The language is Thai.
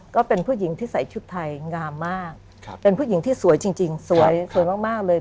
ก็เป็นผู้หญิงที่ใส่ชุดไทยงามมากเป็นผู้หญิงที่สวยจริงสวยสวยมากเลย